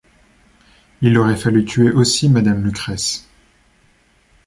Il aurait fallu tuer aussi madame Lucrèce.